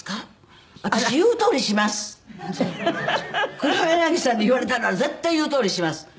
「黒柳さんに言われたなら絶対言うとおりします」